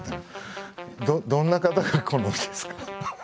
どんな方が好みですか？